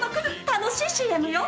楽しいＣＭよ！